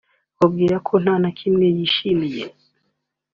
ababwira ko nta na kimwe yishimiye